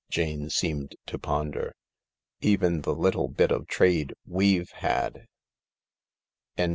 Jane seemed to ponder. " Even the little bit of trade we've had."